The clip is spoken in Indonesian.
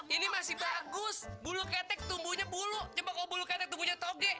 ini masih bagus bulu ketek tumbuhnya bulu coba